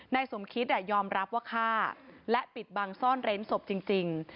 นายสมคิตยอมรับว่าฆ่าและปิดบังซ่อนเร้นศพจริง